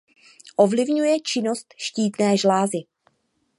Ovlivňuje činnost štítné žlázy.